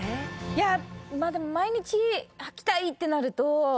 いやでも毎日はきたいってなると。